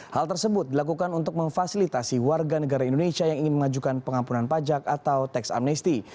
hal tersebut dilakukan untuk memfasilitasi warga negara indonesia yang ingin mengajukan pengampunan pajak atau tax amnesty